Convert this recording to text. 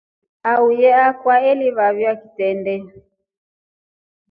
Auye akwa alivaiwa kitendee.